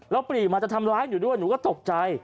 แล้วปรีมาจะทำร้ายหนูด้วยหนูก็ตกใจ